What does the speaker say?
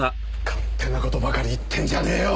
勝手な事ばかり言ってんじゃねえよ！